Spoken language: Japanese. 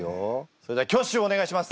それでは挙手をお願いします。